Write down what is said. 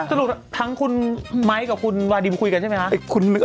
สรุปทั้งคุณไม้กับคุณวาดิมคุยกันใช่ไหมคะ